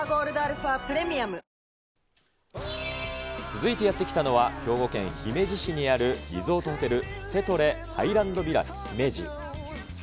続いてやって来たのは、兵庫県姫路市にあるリゾートホテル、セトレハイランドヴィラ姫路。